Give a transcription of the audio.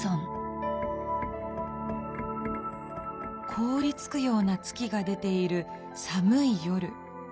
「こおりつくような月が出ているさむい夜。